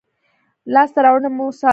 لاسته راوړنې مو وساتل شي.